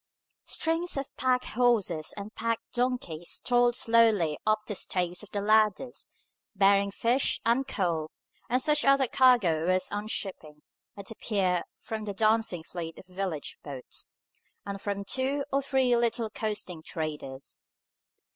Strings of pack horses and pack donkeys toiled slowly up the staves of the ladders, bearing fish, and coal, and such other cargo as was unshipping at the pier from the dancing fleet of village boats, and from two or three little coasting traders.